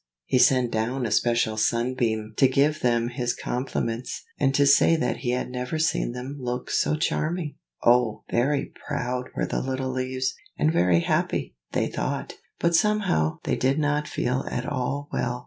He sent down a special sunbeam to give them his compliments and to say that he had never seen them look so charming. Oh! very proud were the little leaves, and very happy, they thought; but somehow they did not feel at all well.